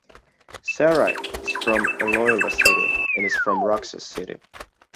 Sara is from Iloilo City and is from Roxas City.